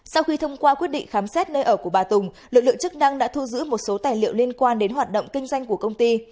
sau khi thông qua quyết định khám xét nơi ở của bà tùng lực lượng chức năng đã thu giữ một số tài liệu liên quan đến hoạt động kinh doanh của công ty